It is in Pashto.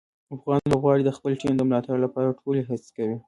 افغان لوبغاړي د خپلې ټیم د ملاتړ لپاره ټولې هڅې کوي.